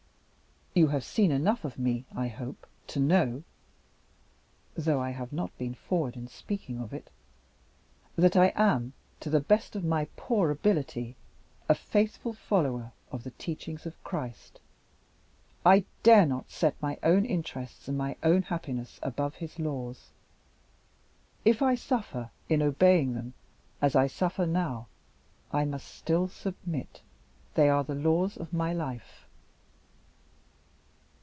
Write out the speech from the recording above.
You have seen enough of me, I hope, to know (though I have not been forward in speaking of it) that I am, to the best of my poor ability, a faithful follower of the teachings of Christ. I dare not set my own interests and my own happiness above His laws. If I suffer in obeying them as I suffer now, I must still submit. They are the laws of my life."